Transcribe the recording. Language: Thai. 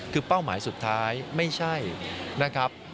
คือเป้าหมายสุดท้ายไม่ใช่นะครับ